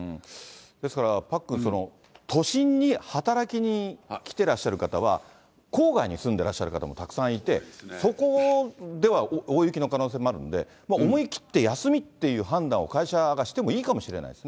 ですからパックン、都心に働きに来てらっしゃる方は、郊外に住んでらっしゃる方もたくさんいて、そこでは大雪の可能性もあるので、思い切って休みっていう判断を会社がしてもいいかもしれないです